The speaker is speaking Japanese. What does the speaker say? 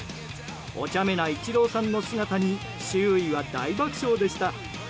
お茶目なイチローさんの姿に周囲は大爆笑でした。